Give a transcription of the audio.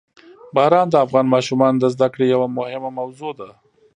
باران د افغان ماشومانو د زده کړې یوه موضوع ده.